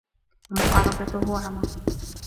وَمُقَارَبَتُهُ عَمَى